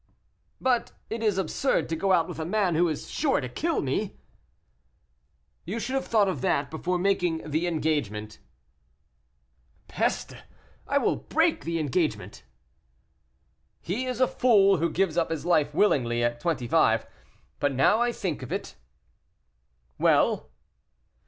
"But it is absurd to go out with a man who is sure to kill me." "You should have thought of that before making the engagement." "Peste! I will break the engagement." "He is a fool who gives up his life willingly at twenty five. But, now I think of it " "Well."